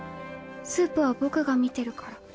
スープは僕が見てるから。